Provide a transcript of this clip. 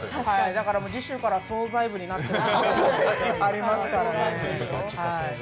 だから次週から総菜部になってる可能性ありますからね。